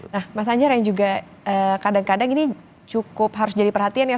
nah mas anjar yang juga kadang kadang ini cukup harus jadi perhatian ya